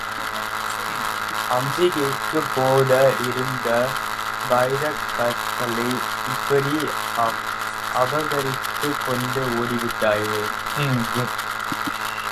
அம்பிகைக்குப் போட இருந்த வைரக்கற்களை, இப்படி அபகரித்துக் கொண்டு ஓடிவிட்டாயே!